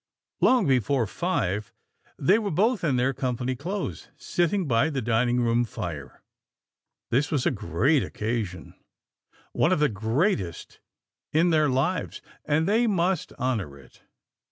Long before five, they were both in their com pany clothes, sitting by the dining room fire. This was a great occasion — one of the greatest in their A TEDIOUS WAITING 195 lives, and they must honour it.